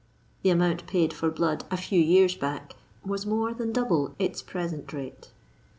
The amount paid for blood a few year's back was more than double its present rate.